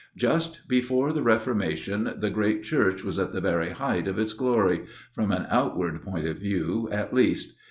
Just before the Reformation the great church was at the very height of its glory from an outward point of view, at least.